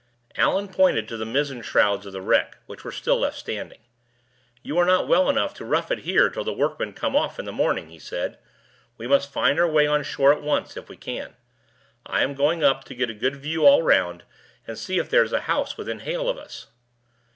Allan pointed to the mizzen shrouds of the wreck, which were still left standing. "You are not well enough to rough it here till the workmen come off in the morning," he said. "We must find our way on shore at once, if we can. I am going up to get a good view all round, and see if there's a house within hail of us."